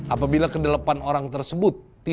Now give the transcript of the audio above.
apabila kedelapan orang tersebut tidak hadir